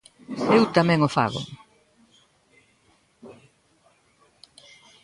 Eu tamén o fago.